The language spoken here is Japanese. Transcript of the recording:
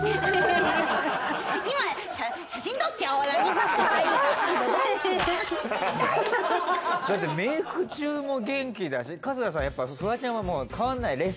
だってメーク中も元気だし春日さやっぱフワちゃんはもう変わんない？